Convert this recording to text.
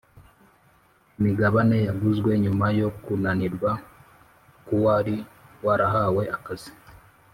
imigabane yaguzwe nyuma yo kunanirwa k uwari warahawe akazi